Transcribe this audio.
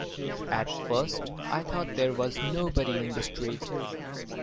At first I thought there was nobody in the street.